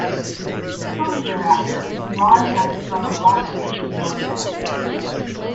Shortly thereafter, Ron asked drummer Rob King to join the band.